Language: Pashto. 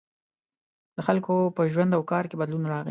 • د خلکو په ژوند او کار کې بدلون راغی.